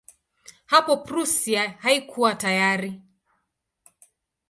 Hapo Prussia haikuwa tayari.